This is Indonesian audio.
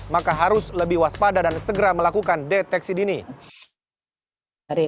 maka harus lebih waspada dan segera melakukan deteksi dini